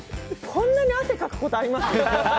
こんなに汗かくことあります？